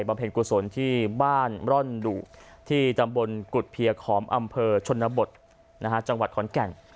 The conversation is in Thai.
เพลงกุศลที่บ้านร่อนดุที่ตำบลกุฎเพียขอมอำเภอชนบทจังหวัดขอนแก่น